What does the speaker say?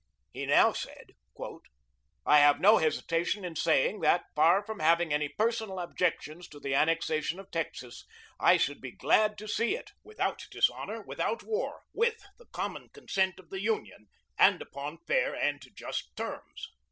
He now said: "I have no hesitation in saying that, far from having any personal objections to the annexation of Texas, I should be glad to see it without dishonor, without war, with the common consent of the Union, and upon just and fair terms